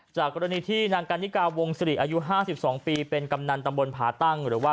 จากกรณีที่นางกันนิกาวงศิริอายุ๕๒ปีเป็นกำนันตำบลผาตั้งหรือว่า